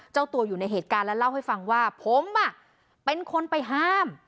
เจ้าตัวอยู่ในเหตุการณ์และเล่าให้ฟังว่าผมเป็นคนไปห้าม